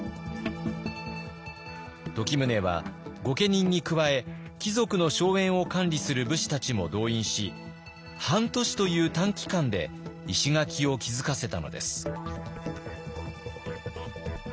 時宗は御家人に加え貴族の荘園を管理する武士たちも動員し半年という短期間で石垣を築かせたのです。